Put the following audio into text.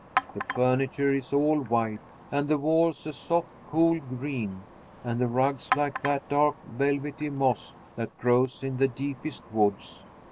The furniture is all white, and the walls a soft, cool green, and the rugs like that dark velvety moss that grows in the deepest woods.